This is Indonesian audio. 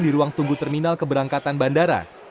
di ruang tunggu terminal keberangkatan bandara